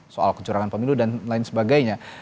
soal kecurangan pemilu dan lain sebagainya